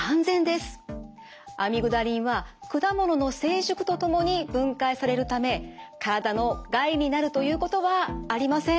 アミグダリンは果物の成熟とともに分解されるため体の害になるということはありません。